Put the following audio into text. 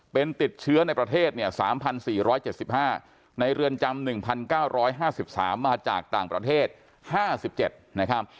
เป็นติดเชื้อในประเทศ๓๔๗๕รายในเรือนจำ๑๙๕๓มาจากต่างประเทศ๕๗ราย